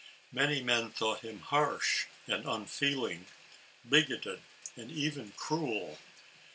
Many men thought him harsh and unfeeling, bigoted and even cruel.